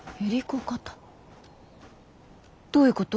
どういうこと？